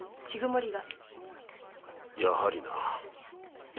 やはりな。